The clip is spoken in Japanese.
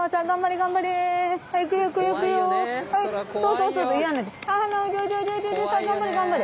頑張れ頑張れ！